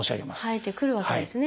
生えてくるわけですね。